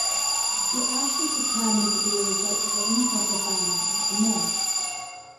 The ash was determined to be a result of improper burning at the mill.